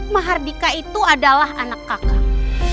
mahardika itu adalah anak kaka